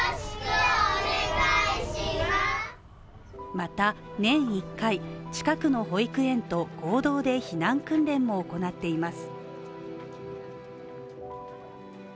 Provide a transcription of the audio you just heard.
また年一回、近くの保育園と合同で避難訓練も行っています。